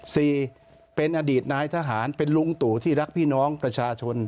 สี่เป็นอดีตนายทหารเป็นลุงตู่ที่รักพี่น้องประชาชน